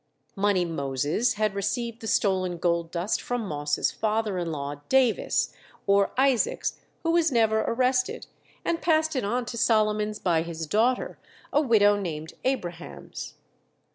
"Money Moses" had received the stolen gold dust from Moss' father in law, Davis, or Isaacs, who was never arrested, and passed it on to Solomons by his daughter, a widow named Abrahams.